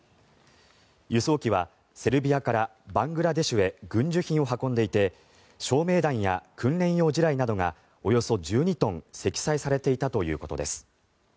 輸送機はセルビアからバングラデシュへ軍需品を運んでいて照明弾や訓練用地雷などがおよそ１２トン積載されていたということです。